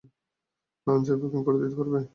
লাঞ্চের বুকিং করে দিতে পারবে?